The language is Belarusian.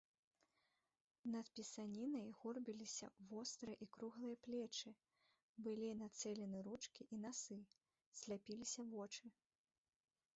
Над пісанінай горбіліся вострыя і круглыя плечы, былі нацэлены ручкі і насы, сляпіліся вочы.